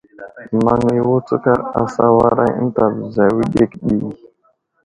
Maŋ wutskar asawaday ənta bəza wəɗek ɗi.